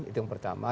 itu yang pertama